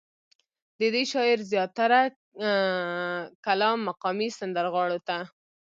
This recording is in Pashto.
ددې شاعر زيات تره کلام مقامي سندرغاړو ته